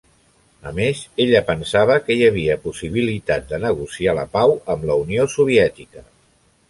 A més, ella pensava que hi havia possibilitats de negociar la pau amb la Unió Soviètica.